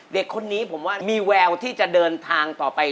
เด็กคนนี้ผมว่ามีแววที่จะเดินทางต่อไป